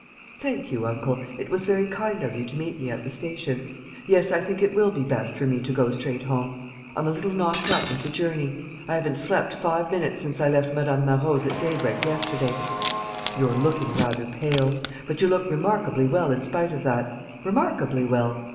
"Thank you, uncle. It was very kind of you to meet me at the station. Yes, I think it will be best for me to go straight home. I'm a little knocked up with the journey. I haven't slept five minutes since I left Madame Marot's at daybreak yesterday." "You're looking rather pale; but you look remarkably well in spite of that remarkably well.